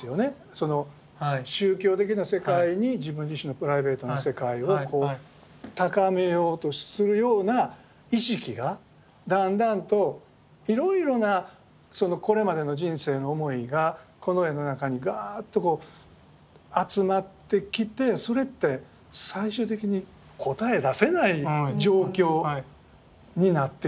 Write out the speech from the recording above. その宗教的な世界に自分自身のプライベートな世界を高めようとするような意識がだんだんといろいろなこれまでの人生の思いがこの絵の中にガーッとこう集まってきてそれって最終的に答え出せない状況になってきていると思うんですね。